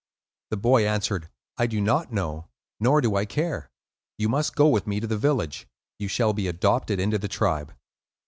The boy answered, "I do not know, nor do I care. You must go with me to the village; you shall be adopted into the tribe."